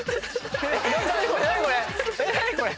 ⁉何これ？